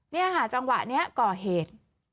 เนี่ยหาจังหวะเนี่ยก่อเหตุ